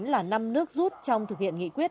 là năm nước rút trong thực hiện nghị quyết